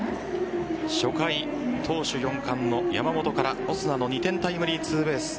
初回、投手４冠の山本からオスナの２点タイムリーツーベース。